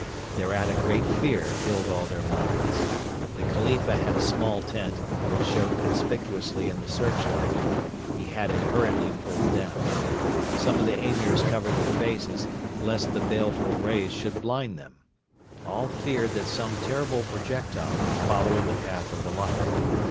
Thereat a great fear filled all their minds. The Khalifa had a small tent, which showed conspicuously in the searchlight. He had it hurriedly pulled down. Some of the Emirs covered their faces, lest the baleful rays should blind them. All feared that some terrible projectile would follow in the path of the light.